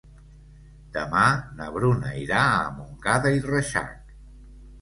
Demà na Bruna irà a Montcada i Reixac.